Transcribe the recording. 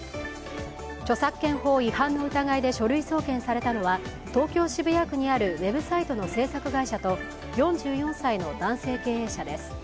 著作権法違反の疑いで書類送検されたのは東京・渋谷区にあるウェブサイトの制作会社と４４歳の男性経営者です。